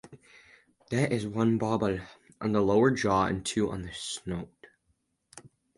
There is one barbel on the lower jaw and two on the snout.